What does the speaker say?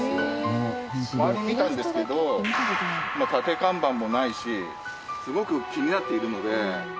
周り見たんですけど立て看板もないしすごく気になっているので。